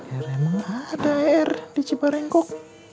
er emang ada er di cibarengkok